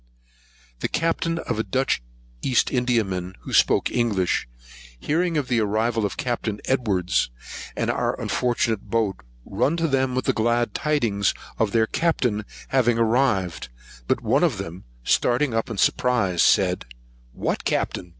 The captain of a Dutch East Indiaman, who spoke English, hearing of the arrival of Capt. Edwards, and our unfortunate boat, run to them with the glad tidings of their Captain having arrived; but one of them, starting up in surprise, said, "What Captain!